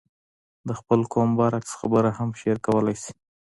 د خپل قوم برعکس خبره هم شعر کولای شي.